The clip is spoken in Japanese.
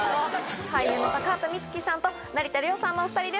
俳優の高畑充希さんと成田凌さんのお２人です。